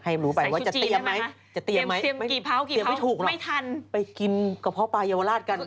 ให้รู้ไปว่าจะเตรียมไหมจะเตรียมไหมไม่ถูกหรอกไปกินกระเพาะปลายเยาวราชกัน